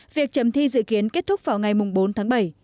việc chấm thi dự kiến kết thúc vào ngày bốn tháng bảy